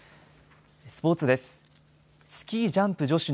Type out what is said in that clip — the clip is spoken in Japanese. スポーツです。